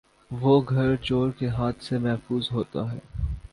وہ گھر چورکے ہاتھ سے ممحفوظ ہوتا ہے